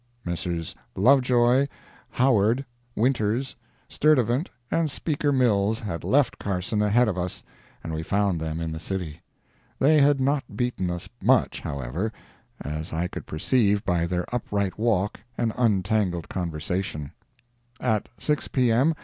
Messrs. Lovejoy, Howard, Winters, Sturtevant, and Speaker Mills had left Carson ahead of us, and we found them in the city. They had not beaten us much, however, as I could perceive by their upright walk and untangled conversation. At 6 P.M.